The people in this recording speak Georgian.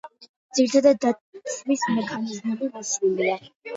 ძირითადი დაცვის მექანიზმები მოშლილია.